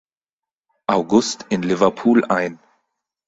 August in Liverpool ein.